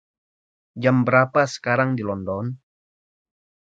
Jam berapa sekarang di London?